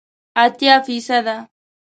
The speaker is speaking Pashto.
اتیا فیصده